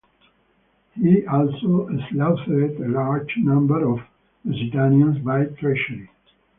He also slaughtered a large number of Lusitanians by treachery.